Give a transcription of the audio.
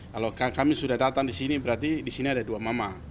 kalau kami sudah datang di sini berarti di sini ada dua mama